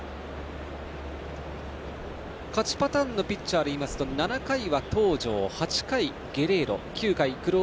勝ちパターンのピッチャーでいいますと７回は東條８回はゲレーロ